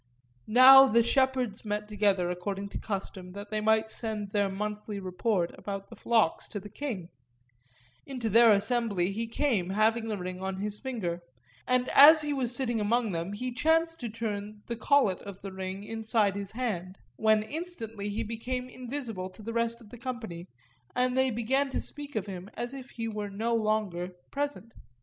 Now the shepherds met together, according to custom, that they might send their monthly report about the flocks to the king; into their assembly he came having the ring on his finger, and as he was sitting among them he chanced to turn the collet of the ring inside his hand, when instantly he became invisible to the rest of the company and they began to speak of him as if he were no longer present.